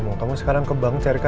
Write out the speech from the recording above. kita sudah membakar kita